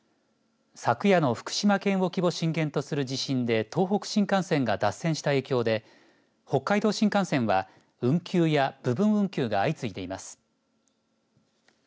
昨夜の福島県沖を震源とする地震で東北新幹線が脱線した影響で北海道新幹線は運休や部分運休が相次いでいます。